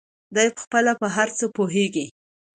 دى پخپله په هر څه پوهېږي.